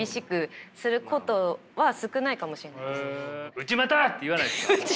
「内股！」って言わないですか？